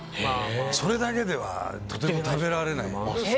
それだけではとても食べられない。